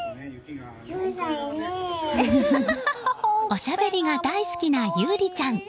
おしゃべりが大好きな結理ちゃん。